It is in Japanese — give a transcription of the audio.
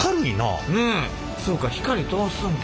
そうか光通すんか。